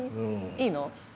いいの？